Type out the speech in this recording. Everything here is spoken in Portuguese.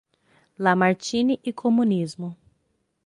Lamartine e Comunismo